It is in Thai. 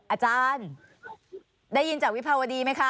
อาจารย์ได้ยินจากวิภาวดีไหมคะ